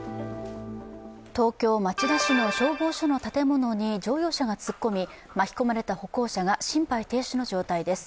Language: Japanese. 東京・町田市の消防署の建物に乗用車が突っ込み、巻き込まれた歩行者が心肺停止の状態です。